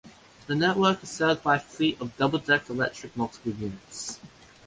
The network is served by a fleet of double-deck electric multiple units.